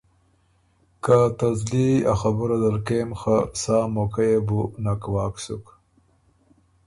که ته زلی ا خبُره دل کېم خه سا موقع يې بُو نک واک سُک